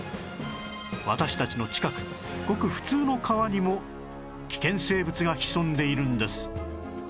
私たちの近くごく普通の川にも危険生物が潜んでいるんです